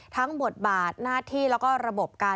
บทบาทหน้าที่แล้วก็ระบบการ